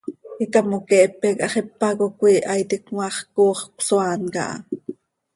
Icamoqueepe quih hax ipac oo cöiiha iti, cmaax coox cösoaan caha.